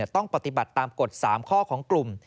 ต้องปฏิบัติตามกฎ๓ข้อของกลุ่ม